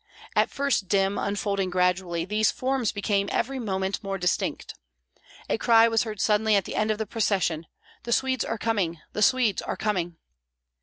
At first dim, unfolding gradually, these forms became every moment more distinct. A cry was heard suddenly at the end of the procession, "The Swedes are coming; the Swedes are coming!"